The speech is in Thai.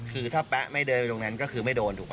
คือถ้าแป๊ะไม่เดินไปตรงนั้นก็คือไม่โดนถูกไหม